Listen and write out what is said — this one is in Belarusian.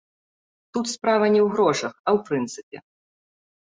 Тут справа не ў грошах, а ў прынцыпе.